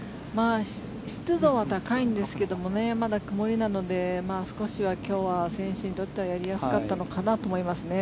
湿度は高いんですがまだ曇りなので少しは今日は選手にとってはやりやすかったのかなと思いますね。